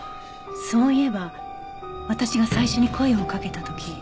そういえば私が最初に声をかけた時。